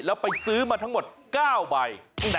แล้วไปซื้อมาทั้งหมด๙ใบ